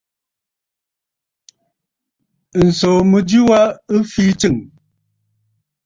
Ǹsòò mɨjɨ wa ɨ fii tsɨ̂ŋ.